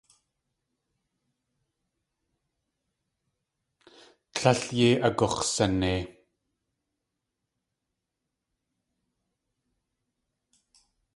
Tlél yéi agux̲sanei.